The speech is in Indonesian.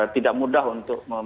tidak mudah untuk